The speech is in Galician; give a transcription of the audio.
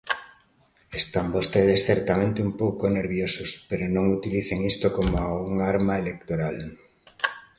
Están vostedes certamente un pouco nerviosos, pero non utilicen isto como unha arma electoral.